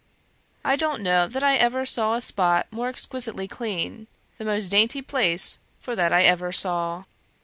"I don't know that I ever saw a spot more exquisitely clean; the most dainty place for that I ever saw.